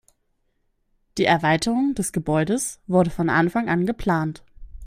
Die Erweiterung des Gebäudes wurde von Anfang an geplant.